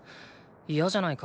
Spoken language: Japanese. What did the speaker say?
嫌じゃないか？